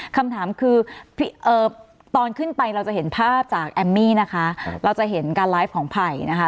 คำถามคือตอนขึ้นไปเราจะเห็นภาพจากแอมมี่นะคะเราจะเห็นการไลฟ์ของไผ่นะคะ